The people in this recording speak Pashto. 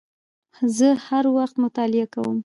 زه هر وخت مطالعه کوم